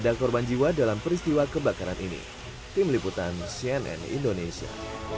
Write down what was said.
tidak korban jiwa dalam peristiwa kebakaran ini tim liputan cnn indonesia